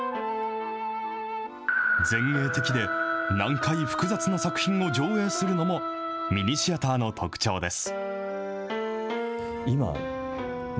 前衛的で、難解複雑な作品を上映するのも、ミニシアターの特徴です。